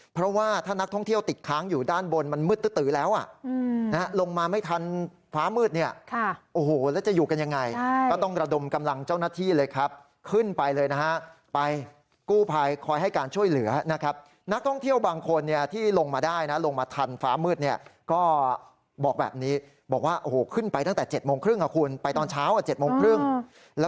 เพราะว่าถ้านักท่องเที่ยวติดค้างอยู่ด้านบนมันมืดตื้อแล้วอ่ะนะฮะลงมาไม่ทันฟ้ามืดเนี่ยโอ้โหแล้วจะอยู่กันยังไงก็ต้องระดมกำลังเจ้าหน้าที่เลยครับขึ้นไปเลยนะฮะไปกู้ภัยคอยให้การช่วยเหลือนะครับนักท่องเที่ยวบางคนเนี่ยที่ลงมาได้นะลงมาทันฟ้ามืดเนี่ยก็บอกแบบนี้บอกว่าโอ้โหขึ้นไปตั้งแต่๗โมงครึ่งอ่ะคุณไปตอนเช้าอ่ะ๗โมงครึ่งแล้ว